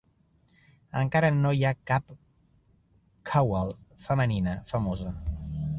Encara no hi ha cap qawwal femenina famosa.